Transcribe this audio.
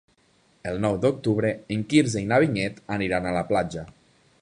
El nou d'octubre en Quirze i na Vinyet aniran a la platja.